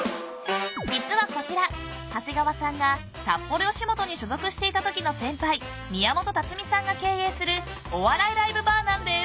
［実はこちら長谷川さんが札幌よしもとに所属していたときの先輩宮本龍見さんが経営するお笑いライブバーなんです］